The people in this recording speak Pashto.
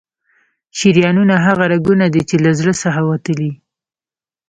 شریانونه هغه رګونه دي چې له زړه څخه وتلي.